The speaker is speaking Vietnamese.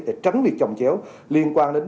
để tránh việc chồng chéo liên quan đến